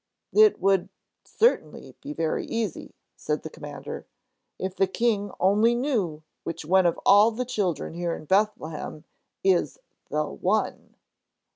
"It would certainly be very easy," said the Commander, "if the King only knew which one of all the children here in Bethlehem is The One."